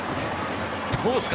どうですか？